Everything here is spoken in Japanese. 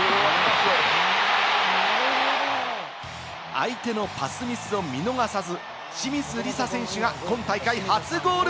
相手のパスミスを見逃さず、清水梨紗選手が今大会初ゴール！